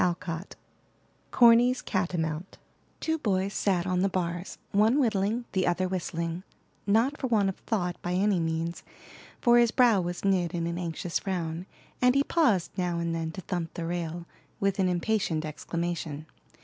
CORNY'S CATAMOUNT Two boys sat on the bars, one whittling, the other whistling, not for want of thought by any means, for his brow was knit in an anxious frown, and he paused now and then to thump the rail, with an impatient exclamation.